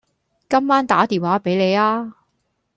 今晚打電話畀你吖